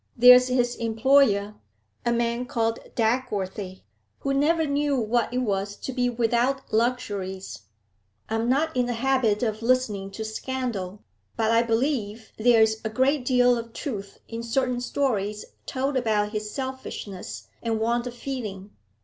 There's his employer, a man called Dagworthy, who never knew what it was to be without luxuries, I'm not in the habit of listening to scandal, but I believe there's a great deal of truth in certain stories told about his selfishness and want of feeling.